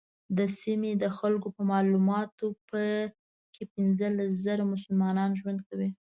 د سیمې د خلکو په معلوماتو په کې پنځلس زره مسلمانان ژوند کوي.